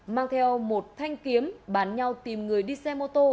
mang theo một thanh kiếm bàn nhau tìm người đi xe mô tô